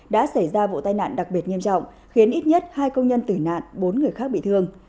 đã xảy ra vụ tai nạn đặc biệt nghiêm trọng khiến ít nhất hai công nhân tử nạn bốn người khác bị thương